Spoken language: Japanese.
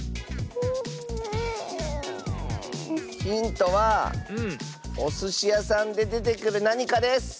ヒントはおすしやさんででてくるなにかです。